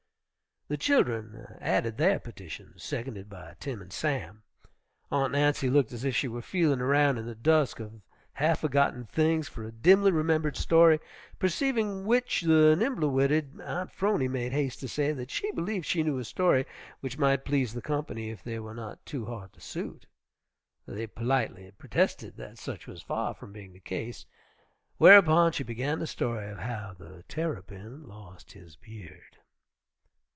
The children added their petitions, seconded by Tim and Sam. Aunt Nancy looked as if she were feeling around in the dusk of half forgotten things for a dimly remembered story, perceiving which the nimbler witted Aunt 'Phrony made haste to say that she believed she knew a story which might please the company if they were not too hard to suit. They politely protested that such was far from being the case, whereupon she began the story of how the Terrapin lost his beard.